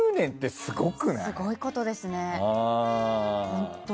すごいことですね、本当。